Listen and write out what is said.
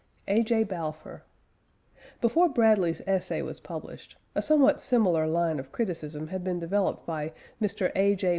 A. J. BALFOUR. Before Bradley's essay was published, a somewhat similar line of criticism had been developed by Mr. A. J.